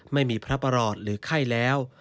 ไม่มีพระประหลอดหรือไข้แล้ว